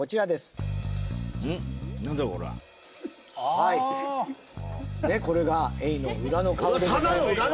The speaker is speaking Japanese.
はいねっこれがあエイの裏の顔でございます